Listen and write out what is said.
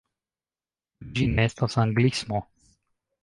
Ĉu ĝi ne estas anglismo?